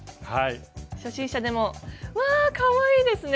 初心者でもうわかわいいですね！